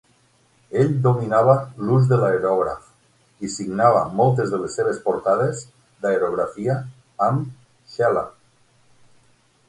Ell dominava l'ús de l'aerògraf i signava moltes de les seves portades d'aerografia amb "Xela".